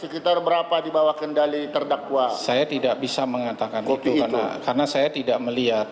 karena saya tidak melihat